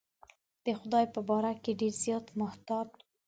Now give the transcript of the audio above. د خدای په باره کې ډېر زیات محتاط کېږي.